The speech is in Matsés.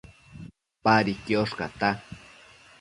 Padi quiosh cata